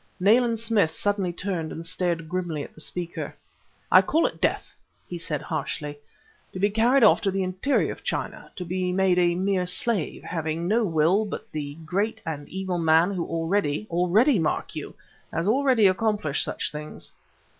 Nayland Smith suddenly turned and stared grimly at the speaker. "I call it death," he said harshly, "to be carried off to the interior of China, to be made a mere slave, having no will but the great and evil man who already already, mark you! has actually accomplished such things."